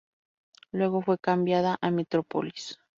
Luego fue cambiada a Metropolis.